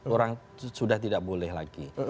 orang sudah tidak boleh lagi